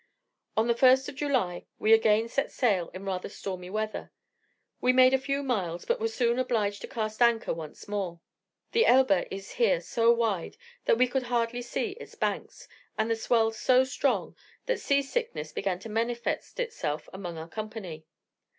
On the 1st of July we again set sail in rather stormy weather. We made a few miles, but were soon obliged to cast anchor once more. The Elbe is here so wide, that we could hardly see its banks, and the swell so strong, that sea sickness began to manifest itself among our company.